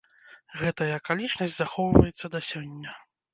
Гэтая акалічнасць захоўваецца да сёння.